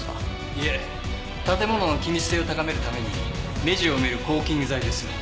いえ建物の気密性を高めるために目地を埋めるコーキング剤です。